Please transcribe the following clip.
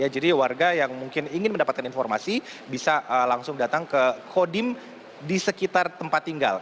jadi warga yang mungkin ingin mendapatkan informasi bisa langsung datang ke kodim di sekitar tempat tinggal